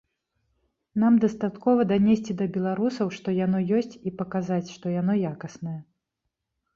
Нам дастаткова данесці да беларусаў, што яно ёсць і паказаць, што яно якаснае.